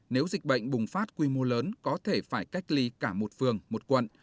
nếu dịch bệnh bùng phát quy mô lớn có thể phải cách ly cả một phường một quận